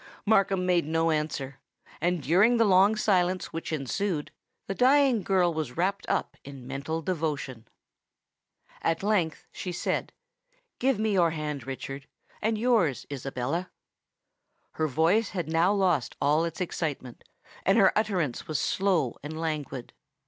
Markham made no answer; and during the long silence which ensued, the dying girl was wrapt up in mental devotion. At length she said, "Give me your hand, Richard—and yours, Isabella." Her voice had now lost all its excitement; and her utterance was slow and languid.